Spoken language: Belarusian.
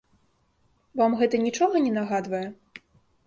Вам гэта нічога не нагадвае?